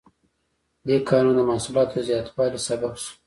دې کارونو د محصولاتو د زیاتوالي سبب شو.